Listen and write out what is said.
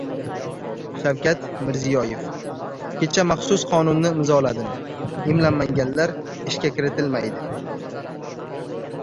Shavkat Mirziyoyev: "Kecha maxsus qonunni imzoladim. Emlanmaganlar ishga kiritilmaydi"